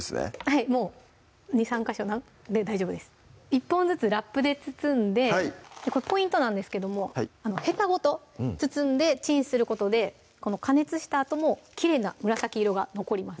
はいもう２３ヵ所で大丈夫です１本ずつラップで包んでこれポイントなんですけどもへたごと包んでチンすることでこの加熱したあともきれいな紫色が残ります